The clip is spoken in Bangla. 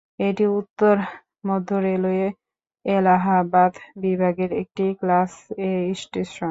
এটি উত্তর মধ্য রেলওয়ের এলাহাবাদ বিভাগের একটি ক্লাস এ স্টেশন।